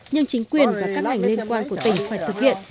nhưng chính quyền và các ngành liên quan của tỉnh phải thực hiện